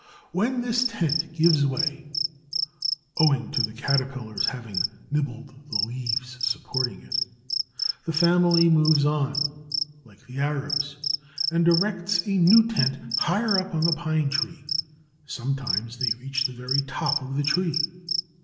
When this tent gives way, owing to the Caterpillars having nibbled the leaves supporting it, the family moves on, like the Arabs, and erects a new tent higher up on the pine tree. Sometimes they reach the very top of the tree.